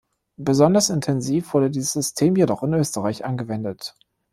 Besonders intensiv wurde dieses System jedoch in Österreich angewendet.